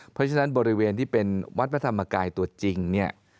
เพราะฉะนั้นบริเวณที่เป็นวัดพระธรรมกายตัวจริงเนี่ย